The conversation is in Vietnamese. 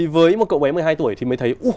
với một cậu bé một mươi hai tuổi thì mới thấy ú